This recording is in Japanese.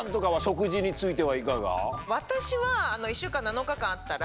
私は１週間７日間あったら。